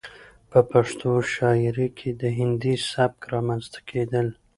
،په پښتو شاعرۍ کې د هندي سبک رامنځته کېدل